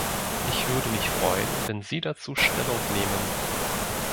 Ich würde mich freuen, wenn Sie dazu Stellung nähmen.